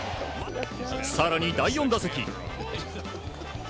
更に第４打席。